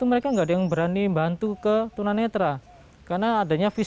dan apakah kekurangan yang mereka temukan adalah sehat kakek kemarin di ekonomis